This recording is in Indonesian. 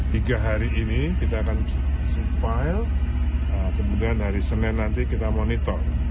tiga hari ini kita akan suppyle kemudian hari senin nanti kita monitor